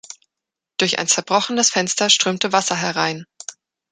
Durch ein zerbrochenes Fenster strömte Wasser herein.